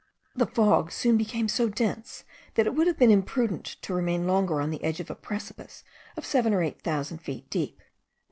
This fog soon became so dense that it would have been imprudent to remain longer on the edge of a precipice of seven or eight thousand feet deep.